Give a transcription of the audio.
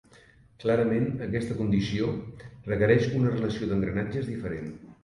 Clarament aquesta condició requereix una relació d'engranatges diferent.